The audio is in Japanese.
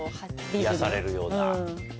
癒やされるような。